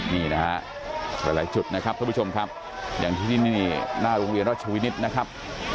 นี่นะฮะหลายจุดนะครับทุกผู้ชมครับอย่างที่นี่หน้าโรงเรียนราชวินิตนะครับ